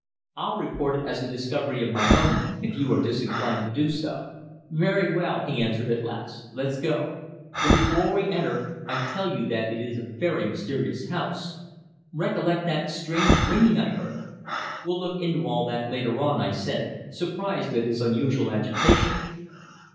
"I'll report it as a discovery of my own if you are disinclined to do so." "Very well," he answered at last, "let's go. But before we enter I tell you that it is a very mysterious house. Recollect that strange ringing I heard." "We'll look into all that later on," I said, surprised at his unusual agitation.